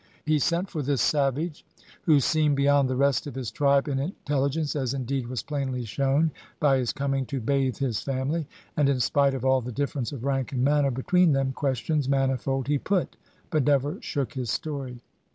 He sent for this savage, who seemed beyond the rest of his tribe in intelligence, as indeed was plainly shown by his coming to bathe his family, and in spite of all the difference of rank and manner between them, questions manifold he put, but never shook his story.